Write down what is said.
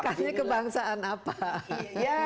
ikannya kebangsaan apa